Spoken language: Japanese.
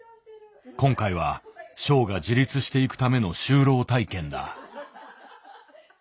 今回はショウが自立していくための就労体験だ。